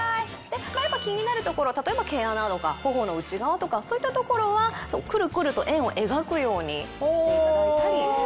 気になる所例えば毛穴とか頬の内側とかそういった所はクルクルと円を描くようにしていただいたり。